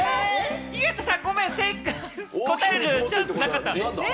井桁さん、ごめんね、答えるチャンスなかった。